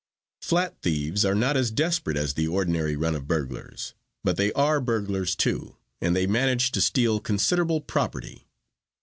"Flat thieves are not as desperate as the ordinary run of burglars, but they are burglars too, and they manage to steal considerable property.